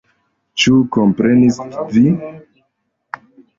Ĉu komprenis vi?